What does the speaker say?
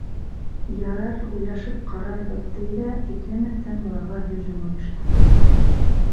«Ярар, уйлашып ҡарарбыҙ», - ти ҙә, иҫләмәҫтән быларға һөжүм ойоштора.